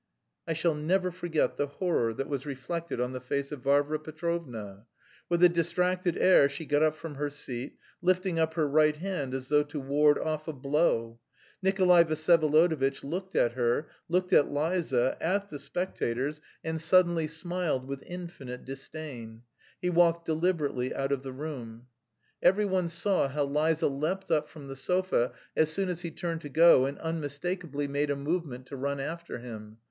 I shall never forget the horror that was reflected on the face of Varvara Petrovna. With a distracted air she got up from her seat, lifting up her right hand as though to ward off a blow. Nikolay Vsyevolodovitch looked at her, looked at Liza, at the spectators, and suddenly smiled with infinite disdain; he walked deliberately out of the room. Every one saw how Liza leapt up from the sofa as soon as he turned to go and unmistakably made a movement to run after him.